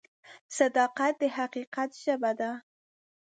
صداقت د حقیقت ژبه ده.